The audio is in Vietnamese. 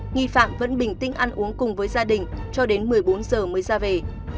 nghi phạm vẫn bình tĩnh ăn uống cùng với gia đình cho đến một mươi bốn giờ mới ra về